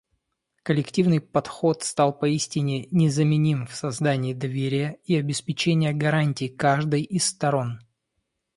Коллективный подход стал поистине незаменим в создании доверия и обеспечении гарантий каждой из сторон.